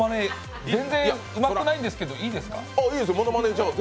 全然うまくないけどいいですか？